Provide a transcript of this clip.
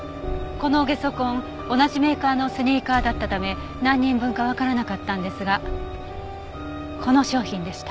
このゲソ痕同じメーカーのスニーカーだったため何人分かわからなかったんですがこの商品でした。